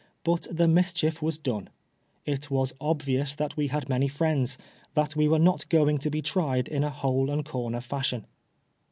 But the mischief was done. It was obvious that we had many friends, that we were not going to be tried in a hole and corner fashion.